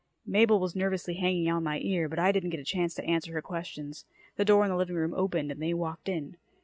Mabel was nervously hanging on my ear, but I didn't get a chance to answer her questions. The door in the living room opened and they walked in.